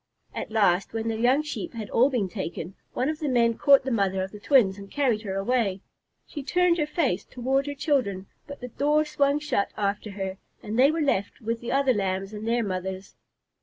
At last, when the young Sheep had all been taken, one of the men caught the mother of the twins and carried her away. She turned her face toward her children, but the door swung shut after her, and they were left with the other Lambs and their mothers.